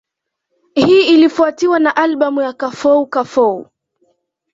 Hii ilifuatiwa na albamu ya Kafou Kafou